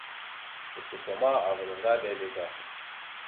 Kucupa ma avaɗ ŋga lele da.